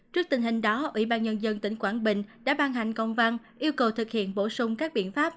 trước tình hình đó ủy ban nhân dân tỉnh quảng bình đã ban hành công văn yêu cầu thực hiện bổ sung các biện pháp